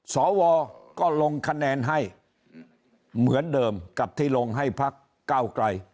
สวก็ลงคะแนนให้เหมือนเดิมกับที่ลงให้พักเก้าไกล